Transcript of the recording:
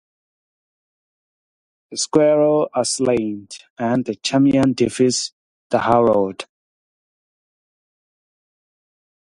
The squires are slain, and the Champion defeats the Herald.